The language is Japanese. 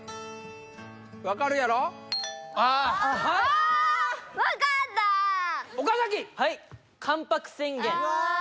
分かるやろ？あーっ分かった岡はい「関白宣言」